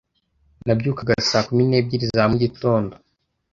nabyukaga saa kumi n'ebyiri za mugitondo.